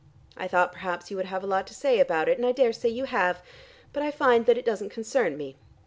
I thought perhaps you would have a lot to say about it, and I daresay you have, but I find that it doesn't concern me.